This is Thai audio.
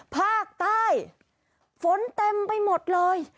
ภาคใต้ฝนเต็มไปหมดเลย